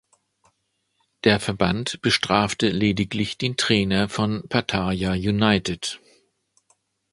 Der Verband bestrafte lediglich den Trainer von Pattaya United.